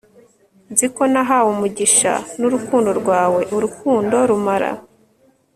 nzi ko nahawe umugisha nurukundo rwawe, urukundo rumara